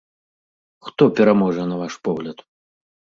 Хто пераможа, на ваш погляд?